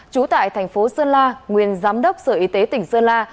trú tại thành phố sơn la nguyên giám đốc sở y tế tỉnh sơn la